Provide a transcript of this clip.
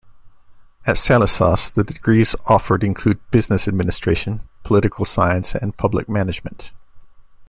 At Salesas, the degrees offered include business administration, political science and public management.